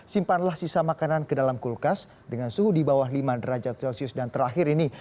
simpanlah sisa makanan ke dalam kulkas dengan suhu di bawah lima derajat celcius dan terakhir ini